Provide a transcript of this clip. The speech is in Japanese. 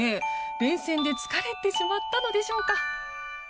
連戦で疲れてしまったのでしょうか？